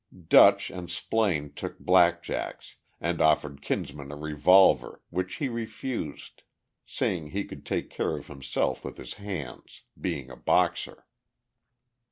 "Dutch" and Splaine took blackjacks, and offered Kinsman a revolver, which he refused, saying he could take care of himself with his hands, being a boxer.